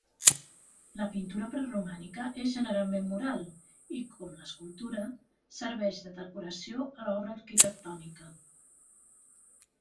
La pintura preromànica és generalment mural i, com l'escultura, serveix de decoració a l'obra arquitectònica.